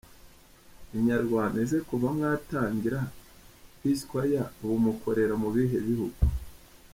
Inyarwanda: Ese kuva mwatangira PesaChoice, ubu mukorera mu bihe bihugu?.